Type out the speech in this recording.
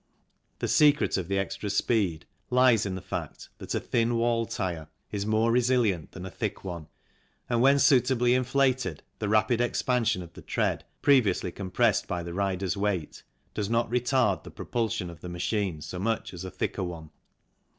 The secret of the extra speed lies in the fact that a thin walled tyre is more resilient than a thick one, and when suitably inflated the rapid expansion of the tread, previously compressed by the rider's weight, does not retard the propulsion of the machine so much as a thicker one.